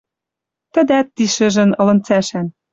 Тӹдӓт ти шӹжӹн ылын цӓшӓн...